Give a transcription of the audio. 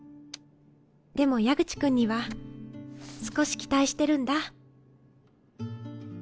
でも矢口君には少し期待してるんだ。